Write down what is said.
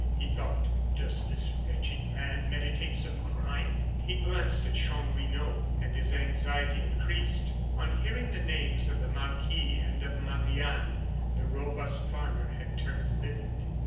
he thought, "does this wretched man meditate some crime?" He glanced at Chanlouineau, and his anxiety increased. On hearing the names of the marquis and of Marie Anne, the robust farmer had turned livid.